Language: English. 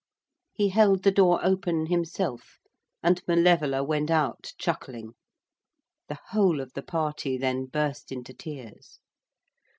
He held the door open himself, and Malevola went out chuckling. The whole of the party then burst into tears.